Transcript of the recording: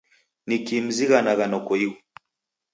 Niki mzighanagha noko ighu?